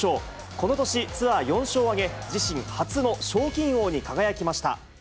この年、ツアー４勝を挙げ、自身初の賞金王に輝きました。